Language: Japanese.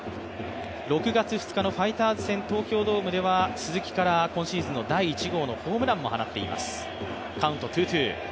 ６月２日のファイターズ戦、東京ドームでは、鈴木から今シーズンの第１号のホームランを放っています。